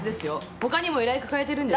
ほかにも依頼抱えてるんです。